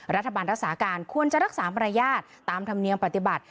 รัฐบาลรักษาการควรจะรักษามารยาทตามธรรมเนียมปฏิบัติ